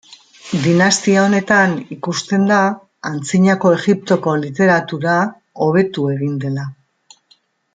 Dinastia honetan ikusten da Antzinako Egiptoko literatura hobetu egin dela.